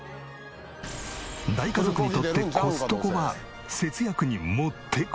大家族にとってコストコは節約に持ってこい。